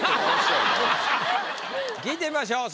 聞いてみましょう。